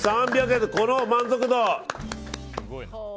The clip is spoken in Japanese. ３００円でこの満足度！